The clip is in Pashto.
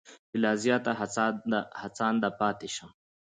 چې لا زیات هڅانده پاتې شم.